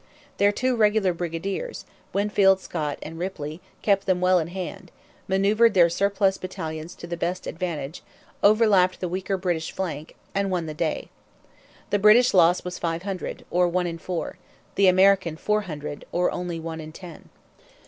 Their two regular brigadiers, Winfield Scott and Ripley, kept them well in hand, manoeuvred their surplus battalions to the best advantage, overlapped the weaker British flank, and won the day. The British loss was five hundred, or one in four: the American four hundred, or only one in ten.